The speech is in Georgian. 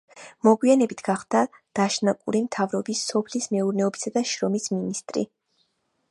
მოგვიანებით გახდა დაშნაკური მთავრობის სოფლის მეურნეობისა და შრომის მინისტრი.